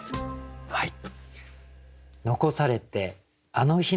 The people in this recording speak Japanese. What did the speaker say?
はい。